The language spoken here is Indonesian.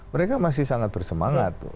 mereka masih sangat bersemangat